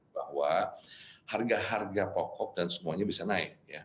bahwa harga harga pokok dan semuanya bisa naik